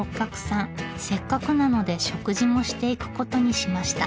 せっかくなので食事もしていくことにしました。